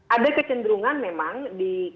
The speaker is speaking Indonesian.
ada kecenderungan memang di